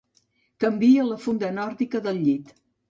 Canvia la funda nòrdica del llit